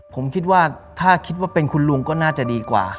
ผมคิดว่าถ้าคิดว่าเป็นคุณลุงก็น่าจะดีกว่า